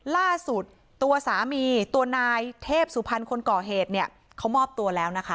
ล่าสุดตัวสามีตัวนายเทพสุพรรณคนก่อเหตุเนี่ยเขามอบตัวแล้วนะคะ